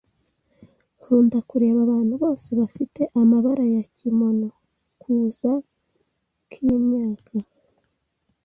Nkunda kureba abantu bose bafite amabara ya kimonos Kuza k'imyaka.